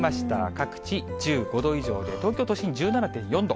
各地１５度以上で、東京都心１７．４度。